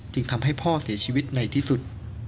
ทำให้พ่อเสียชีวิตในที่สุด